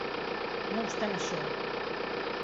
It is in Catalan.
No obstant això.